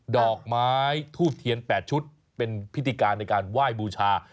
ดอกไม้ทูบเทียน๘ชุดเป็นพิธีการในการไหว้บูชา